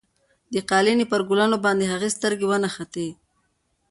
د قالینې پر ګلانو باندې د هغې سترګې ونښتې.